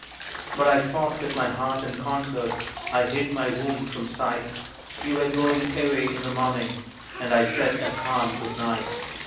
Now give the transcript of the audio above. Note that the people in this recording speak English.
But I fought with my heart and conquered: I hid my wound from sight; You were going away in the morning And I said a calm good night.